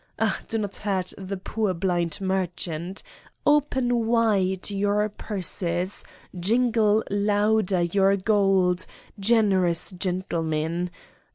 Ah, do not hurt the poor, blind merchant: open wide your purses, jingle louder your gold, generous gentlemen!